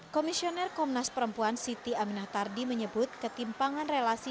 komisioner komnas perempuan siti aminah tardi menyebut ketimpangan relasi